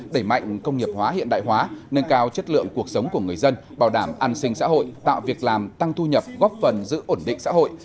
đẩy mạnh công nghiệp hóa hiện đại hóa nâng cao chất lượng cuộc sống của người dân bảo đảm an sinh xã hội tạo việc làm tăng thu nhập góp phần giữ ổn định xã hội